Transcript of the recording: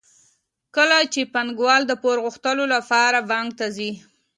کله چې پانګوال د پور غوښتلو لپاره بانک ته ځي